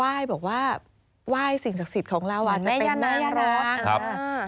ไหว้บอกว่าไหว้สิ่งศักดิ์สิทธิ์ของเราจะเป็นนางรถ